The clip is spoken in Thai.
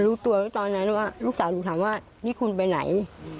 รู้ตัวตอนนั้นว่าลูกสาวหนูถามว่านี่คุณไปไหน